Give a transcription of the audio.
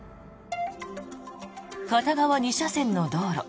片側２車線の道路